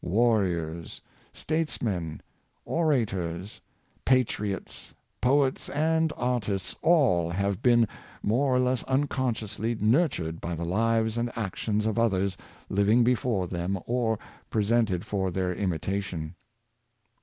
Warriors, statesmen, orators, patriots, poets and artists — all have been, more or less unconsciously, nurtured by the lives and actions of others living before them or presented for their imitation.